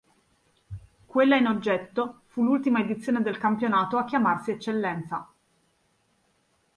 Quella in oggetto fu l'ultima edizione del campionato a chiamarsi Eccellenza.